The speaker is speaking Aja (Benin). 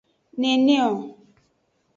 Neneo.